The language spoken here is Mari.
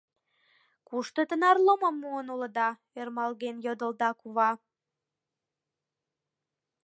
— Кушто тынар лумым муын улыда? — ӧрмалген йодылда кува.